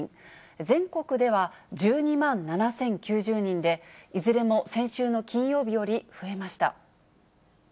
全国では１２万７０９０人で、いずれも先週の金曜日より増えました。